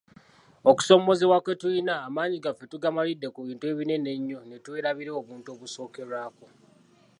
Okusoomoozebwa kwe tulina, amaanyi gaffe tugamalidde ku bintu ebinene ennyo ne twerabira obuntu obusookerwako.